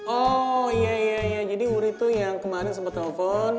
oh iya iya iya jadi wuri tuh yang kemarin sempet telepon